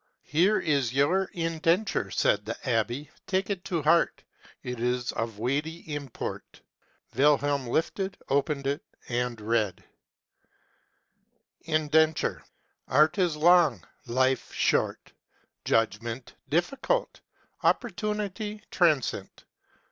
" Here is your indenture," said the abbe :" take it to heart; it is of weighty import." Wilhelm lifted, opened it, and read : ŌĆö INDENTURE. Art is long, life short, judgment difficult, opportunity transient.